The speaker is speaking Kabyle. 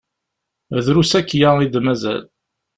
Drus akya i d-mazal.